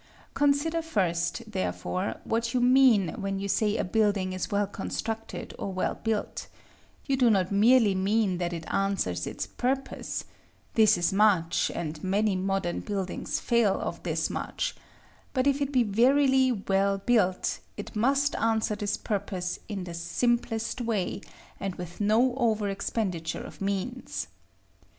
Consider first, therefore, what you mean when you say a building is well constructed or well built; you do not merely mean that it answers its purpose, this is much, and many modern buildings fail of this much; but if it be verily well built, it must answer this purpose in the simplest way, and with no over expenditure of means.